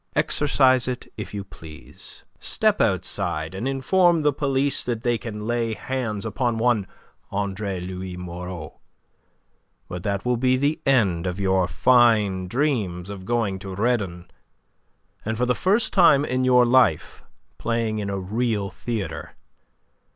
"Exercise it if you please. Step outside and inform the police that they can lay hands upon one Andre Louis Moreau. But that will be the end of your fine dreams of going to Redon, and for the first time in your life playing in a real theatre.